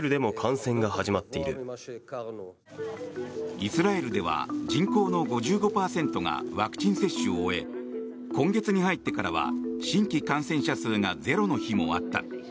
イスラエルでは人口の５５％がワクチン接種を終え今月に入ってからは新規感染者数がゼロの日もあった。